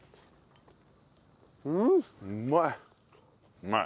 うまい！